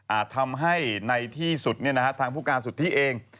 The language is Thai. อาจทำให้ในที่สุดเนี่ยนะฮะทางผู้การสุทธิเอง